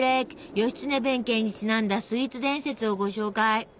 義経弁慶にちなんだスイーツ伝説をご紹介！